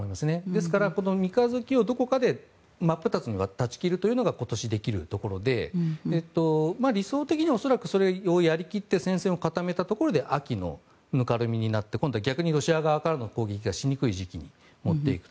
ですから、三日月をどこかで真っ二つに断ち切るというのが今年できるところで、理想的には恐らくそれをやり切って戦線を固めたところで秋のぬかるみになって今度は逆にロシア側からの攻撃がしにくい時期に持っていくと。